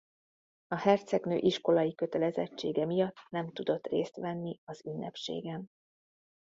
A hercegnő iskolai kötelezettsége miatt nem tudott részt venni az ünnepségen.